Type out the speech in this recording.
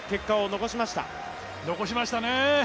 残しましたね。